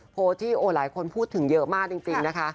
โพสต์ที่หลายคนพูดถึงเยอะมากจริงนะคะ